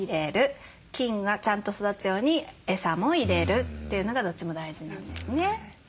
菌がちゃんと育つようにエサも入れるというのがどっちも大事なんですね。